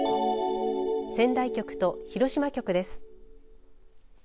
仙台局と広島局です。